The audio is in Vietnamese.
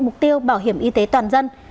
mục tiêu bảo hiểm y tế toàn dân